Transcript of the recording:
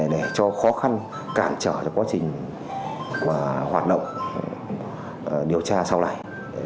để cho khó khăn cản trở cho quá trình hoạt động điều tra sau này